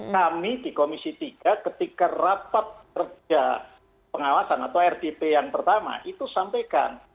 kami di komisi tiga ketika rapat kerja pengawasan atau rdp yang pertama itu sampaikan